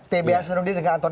tba sering diantar